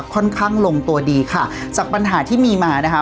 ค่อนข้างลงตัวดีค่ะจากปัญหาที่มีมานะคะ